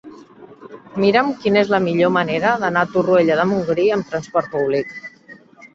Mira'm quina és la millor manera d'anar a Torroella de Montgrí amb trasport públic.